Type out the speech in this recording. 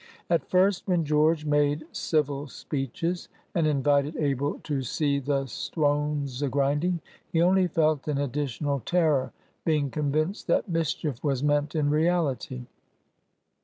At first, when George made civil speeches, and invited Abel to "see the stwones a grinding," he only felt an additional terror, being convinced that mischief was meant in reality.